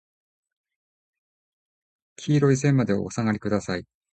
黄色い線までお下りください。